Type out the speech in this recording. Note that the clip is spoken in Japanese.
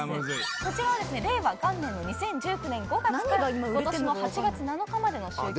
こちらは令和元年の２０１９年５月からことしの８月７日までの集計。